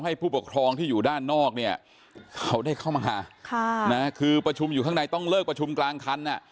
ผู้ปกครองที่อยู่ด้านนอกเนี่ยเขาได้เข้ามาคือประชุมอยู่ข้างในต้องเลิกประชุมกลางคัน